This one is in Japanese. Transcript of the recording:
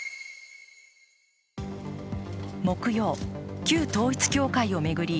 木曜、旧統一教会を巡り